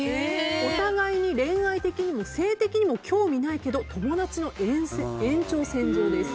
お互いに恋愛的にも性的にも興味ないけど友達の延長線上です。